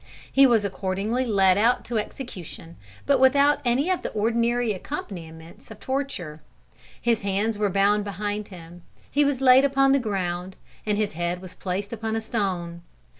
He was accordingly led out to execution, but without any of the ordinary accompaniments of torture. His hands were bound behind him, he was laid upon the ground, and his head was placed upon a stone.